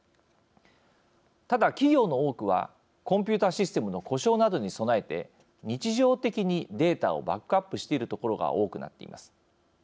ただ、企業の多くはコンピューターシステムの故障などに備えて、日常的にデータをバックアップしているところが多くなっています。